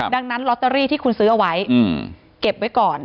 ดังนั้นลอตเตอรี่ที่คุณซื้อเอาไว้เก็บไว้ก่อน